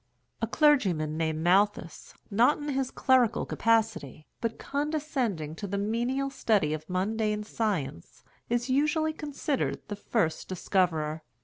A clergyman named Malthus, not in his clerical capacity, but condescending to the menial study of mundane science, is usually considered the first discoverer.